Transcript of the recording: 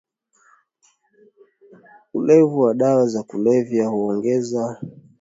ulewevu wa dawa za kulevya huongeza utolewaji wa dopamine katika njia ya